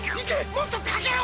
もっとかけろ！